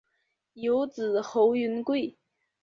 有子侯云桂。